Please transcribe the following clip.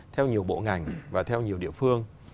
theo nhiều bộ ngành và theo nhiều địa phương